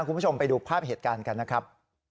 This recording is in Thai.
คุณผู้ชมไปดูภาพเหตุการณ์กันนะครับ